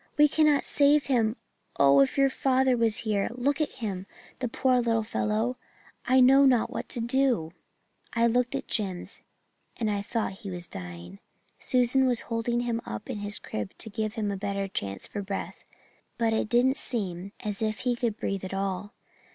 'We cannot save him! Oh, if your father was here look at him, the poor little fellow! I know not what to do.' "I looked at Jims and I thought he was dying. Susan was holding him up in his crib to give him a better chance for breath, but it didn't seem as if he could breathe at all.